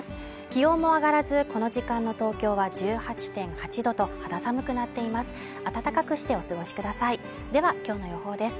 気温も上がらずこの時間の東京は１８．８度と肌寒くなっています